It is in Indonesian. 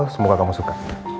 semoga kamu suka